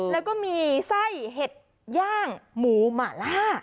แล้วก็มีไส้เห็ดย่างหมูหมาล่า